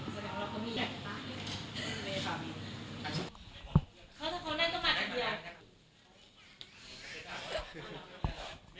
ก็เลยอยากคิดจริงว่าอันนี้เป็นเต็มว่ามันเป็นยังไงครับ